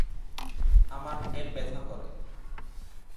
আমার পেট ব্যথা করে।